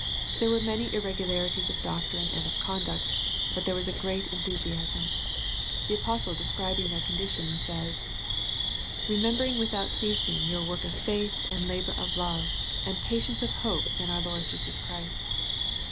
There were many irregularities of doctrine and of conduct, but there was a great enthusiasm. The apostle describing their con dition says, " Remembering without ceasing The Ephesus Letter 45 your work of faith and labour of love and patience of hope in our Lord Jesus Christ."